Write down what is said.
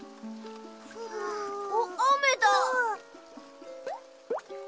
おっあめだ。